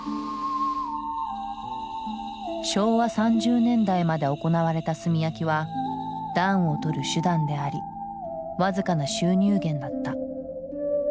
昭和３０年代まで行われた炭焼きは暖をとる手段であり僅かな収入源だった。